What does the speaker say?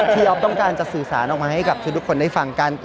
อ๊อฟต้องการจะสื่อสารออกมาให้กับทุกคนได้ฟังกัน